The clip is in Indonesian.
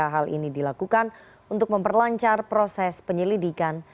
hal ini dilakukan untuk memperlancar proses penyelidikan